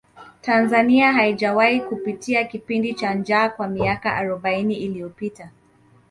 tanzania haijawahi kupitia kipindi cha njaa kwa miaka arobaini iliyopita